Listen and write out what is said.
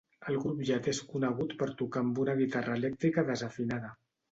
El grup Jad és conegut per tocar amb una guitarra elèctrica desafinada.